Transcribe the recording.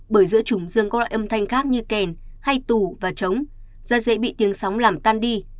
bởi giữa chúng dường có loại âm thanh khác như kèn hay tù và trống ra dễ bị tiếng sóng làm tan đi